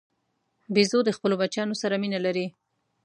بیزو د خپلو بچیانو سره مینه لري.